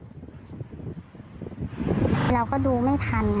เราก็ดูไม่ทัน